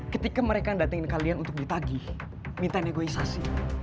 ketika mereka datangin kalian untuk ditagih minta negosiasi